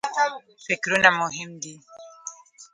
فکرونه مهم دي.